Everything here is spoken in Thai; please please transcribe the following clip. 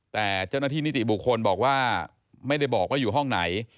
แต่เจ้าหน้าที่นิติบุคคลบอกว่าไม่ได้บอกว่าอยู่ห้องไหน